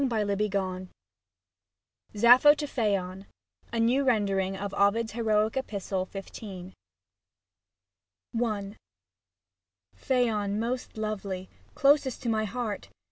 55 LIV SAPPHO TO PHAON A NEW RENDERING OF OVID's HEROIC EPISTLE, XV, I Phaon, most lovely, closest to my heart.